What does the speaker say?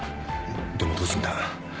でもどうすんだ？